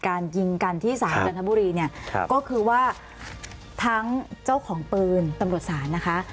การยิงกันที่ศาลจันทบุรีเนี่ยก็คือว่าทั้งเจ้าของปืนตำรวจศาลนะคะ